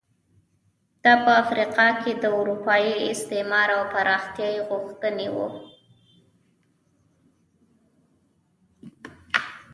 دا په افریقا کې د اروپایي استعمار او پراختیا غوښتنې وو.